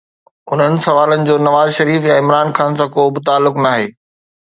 انهن سوالن جو نواز شريف يا عمران خان سان ڪو به تعلق ناهي.